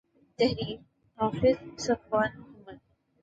تحریر :حافظ صفوان محمد